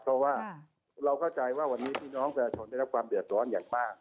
เพราะว่าเราเข้าใจว่าวันนี้พี่น้องประชาชนได้รับความเดือดร้อนอย่างมาก